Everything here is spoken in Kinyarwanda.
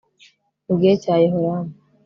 mu gihe cya yehoramu